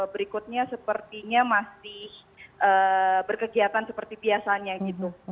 berikutnya sepertinya masih berkegiatan seperti biasanya gitu